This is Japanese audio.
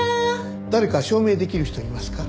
誰か証明できる人いますか？